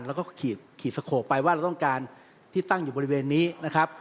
แล้วก็ขีดขีดสโขกไปว่าเราต้องการที่ตั้งอยู่บริเวณนี้นะครับ